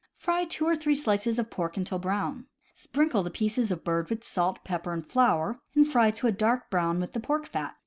Fry two or three slices of pork until brown. Sprinkle the pieces of bird with salt, pepper, and flour, and fry to a dark brown in the pork fat.